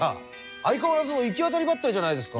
相変わらずの行き当たりばったりじゃないですか！